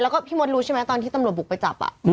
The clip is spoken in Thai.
แล้วก็พี่มดรู้ใช่ไหมตอนที่ตำรวจบุกไปจับ